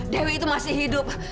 dewi itu masih hidup